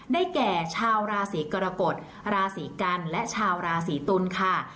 ได้แก่ชาวราศีกรกฎราศีกันและชาวราศีตุลค่ะ